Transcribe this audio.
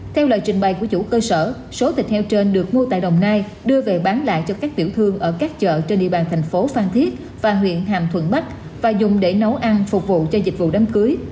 theo lời trình bày của chủ cơ sở số thịt heo trên được mua tại đồng nai đưa về bán lại cho các tiểu thương ở các chợ trên địa bàn thành phố phan thiết và huyện hàm thuận bắc và dùng để nấu ăn phục vụ cho dịch vụ đám cưới